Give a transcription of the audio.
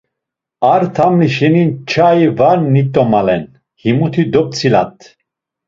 A tamli şeni nçai var nit̆omalen, himuti dop̌tzilat.